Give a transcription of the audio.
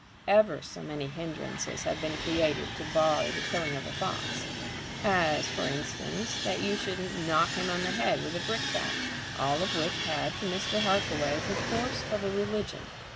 Ever so many hinderances have been created to bar the killing a fox, as for instance that you shouldn't knock him on the head with a brick bat, all of which had to Mr. Harkaway the force of a religion.